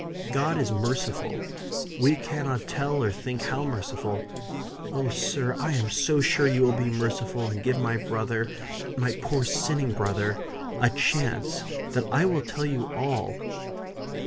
God is merciful we cannot tell or think how merciful. Oh, sir, I am so sure you will be merciful, and give my brother my poor sinning brother a chance, that I will tell you all.